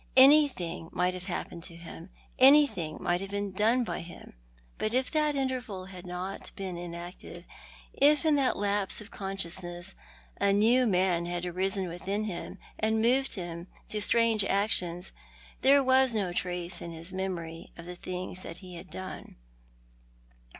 Anything might have liappened to him ; anything might have been done by him ; but if that interval had not been inactive, if in that lapse of con sciousness a new man had arisen within him and moved him to strange actions, there was no trace in his memory of tho Encompassed zvith Darkness. 129 things that he had done.